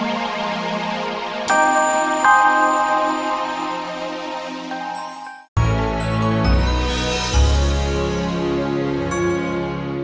tidak ada hubungannya